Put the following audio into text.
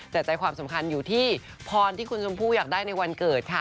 แต่ใจความสำคัญอยู่ที่พรที่คุณชมพู่อยากได้ในวันเกิดค่ะ